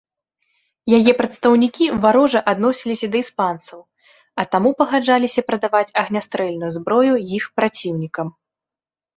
Яе прадстаўнікі варожа адносіліся да іспанцаў, а таму пагаджаліся прадаваць агнястрэльную зброю іх праціўнікам.